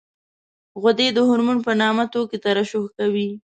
غدې د هورمون په نامه توکي ترشح کوي.